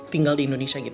tinggal di indonesia gitu